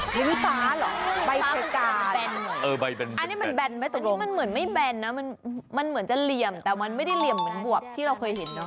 พื้นฟ้าเหรอใบฟ้าแบนอันนี้มันแนนไหมแต่นี่มันเหมือนไม่แบนนะมันเหมือนจะเหลี่ยมแต่มันไม่ได้เหลี่ยมเหมือนบวบที่เราเคยเห็นเนอ